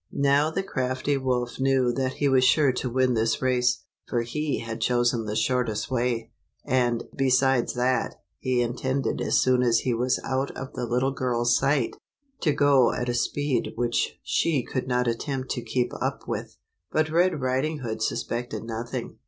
Now the crafty wolf knew that he was sure to win this race, for he had chosen the shortest way, and, besides that, he intended as soon as he was out of the little girl's sight to go at a speed which she could not attempt to keep up with. But Red Riding Hood suspected nothing.